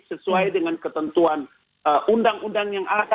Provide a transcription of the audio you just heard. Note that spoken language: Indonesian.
sesuai dengan ketentuan undang undang yang ada